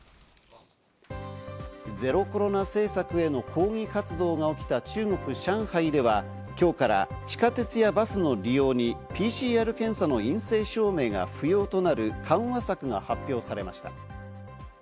ゼロコロナ政策への抗議活動が起きた中国・上海では、今日から地下鉄やバスの利用にＰＣＲ検査の陰性証明が不要となる緩和策が発表されました。